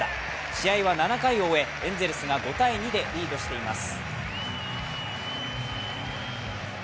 試合は７回を終えエンゼルスが５−２でリードしています。